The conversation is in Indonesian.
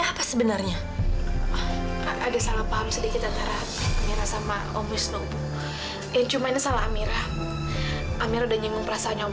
sampai jumpa di video selanjutnya